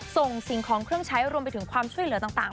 ส่งสิ่งของเครื่องใช้รวมไปถึงความช่วยเหลือต่าง